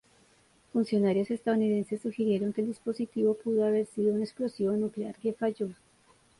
Funcionarios estadounidenses sugirieron que el dispositivo pudo haber sido un explosivo nuclear que falló.